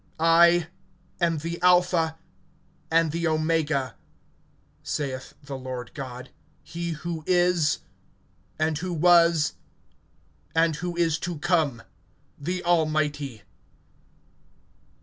(8)I am the Alpha and the Omega, saith the Lord God, he who is, and who was, and who is to come, the Almighty.